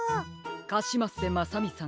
カシマッセまさみさん。